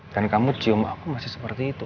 dan kamu cium aku masih seperti itu